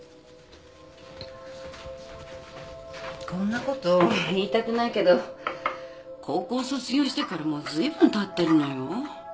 こんなこと言いたくないけど高校卒業してからもうずいぶんたってるのよ。